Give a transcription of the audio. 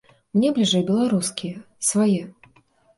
Мне бліжэй беларускія, свае.